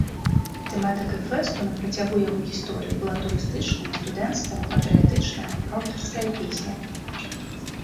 Тэматыкай фэсту на працягу яго гісторыі была турыстычная, студэнцкая, патрыятычная, аўтарская песня.